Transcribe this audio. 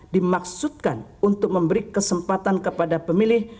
dimaksudkan untuk memberi kesempatan kepada pemilih